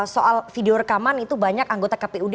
soal video rekaman itu banyak anggota kpud